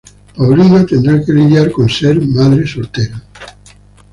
Paulina deberá lidiar con las desgracias de ser madre soltera.